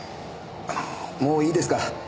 あのもういいですか？